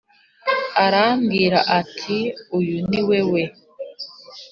Arambwira ati uyu ni we we